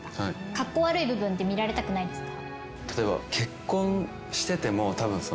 カッコ悪い部分って見られたくないですか？